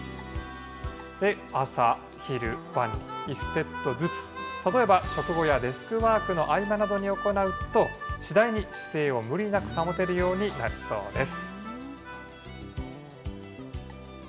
朝昼晩、１セットずつ、例えば食後やデスクワークの合間などに行うと、次第に姿勢を無理なく保てるようになるそうです。